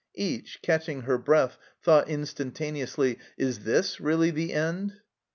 Each, catching her breath, thought instantaneously, " Is this really the end ?"